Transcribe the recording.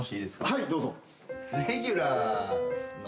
はいどうぞ。